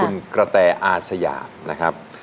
คุณกระแตอาสยามนะครับ